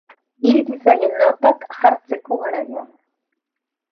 Iritsi zaie notak jartzeko garaia.